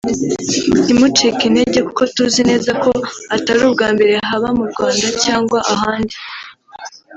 ntimucike intege kuko tuzi neza ko atari ubwa mbere haba mu Rwanda cyangwa ahandi